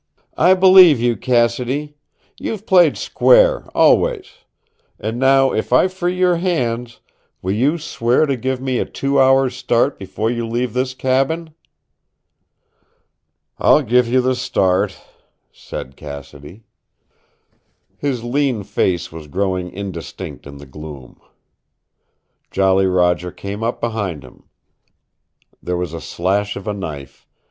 "I believe you, Cassidy. You've played square always. And now if I free your hands will you swear to give me a two hours' start before you leave this cabin?" "I'll give you the start," said Cassidy. His lean face was growing indistinct in the gloom. Jolly Roger came up behind him. There was the slash of a knife.